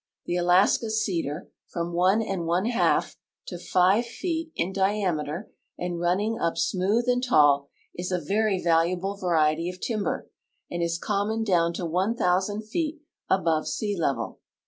The Alaska cedar, from one and one half to five feet THE OLYMPIC COUNTRY 137 in diameter and running up smooth and tall, is a very valuable variet}^ of timber aud is common down to 1,000 feet above sea level.